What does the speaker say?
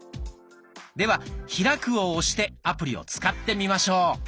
では「開く」を押してアプリを使ってみましょう。